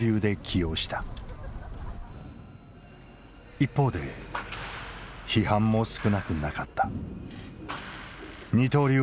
一方で批判も少なくなかった。